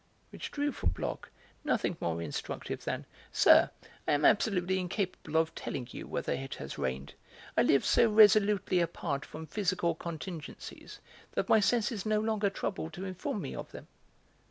'" Which drew from Bloch nothing more instructive than "Sir, I am absolutely incapable of telling you whether it has rained. I live so resolutely apart from physical contingencies that my senses no longer trouble to inform me of them."